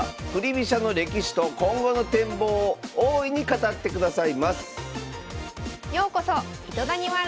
飛車の歴史と今後の展望を大いに語ってくださいます